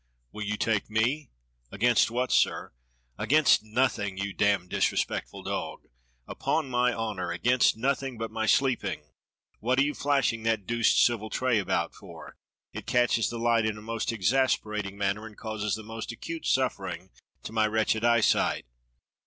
^^ Will you take me? " "Against what, sir.^^" "Against nothing, you damned, disrespectful dog! Upon my honour, against nothing but my sleeping. What are you flashing that deuced silver tray about for? It catches the light in a most exasperating man ner and causes the most acute suffering to my wretched eyesight.